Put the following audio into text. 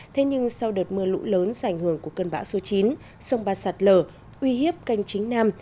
thế nhưng sau đợt mưa lũ lớn do ảnh hưởng của cơn bão số chín sông ba sạt lở uy hiếp canh chính nam